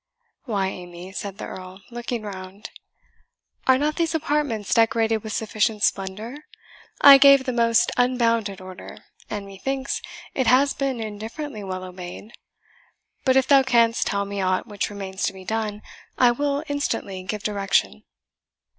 "Why, Amy," said the Earl, looking around, "are not these apartments decorated with sufficient splendour? I gave the most unbounded order, and, methinks, it has been indifferently well obeyed; but if thou canst tell me aught which remains to be done, I will instantly give direction."